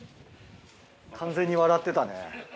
完全に笑ってたね。